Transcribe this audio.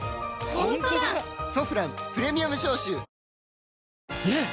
「ソフランプレミアム消臭」ねえ‼